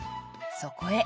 そこへ。